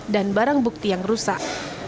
dan barang bukti yang rusak